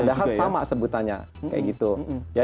padahal sama sebutannya